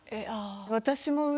私も上。